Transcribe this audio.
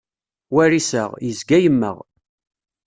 War iseɣ, yezga yemmeɣ.